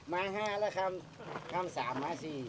มา๕แล้วข้าม